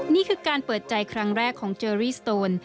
นี่คือการเปิดใจครั้งแรกของเจอรี่สตูน